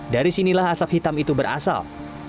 dari sinilah asap hitam itu berasal